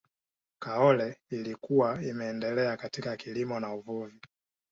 kaole ilikuwa imeendelea katika kilimo na uvuvi